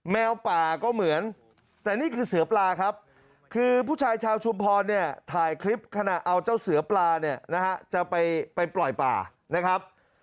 แมวป่าก็เหมือนแต่นี่คือเสือปลาครับคือผู้ชายชาวชุมพรเนี่ยถ่ายคลิปขณะเอาเจ้าเสือปลาเนี่ยนะฮะจะไปปล่อยป่านะครับ